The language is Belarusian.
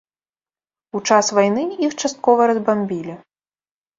У час вайны іх часткова разбамбілі.